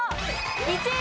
１位